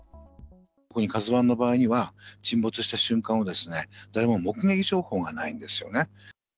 特にＫＡＺＵＩの場合には、沈没した瞬間の、誰も目撃情報がないんですよね。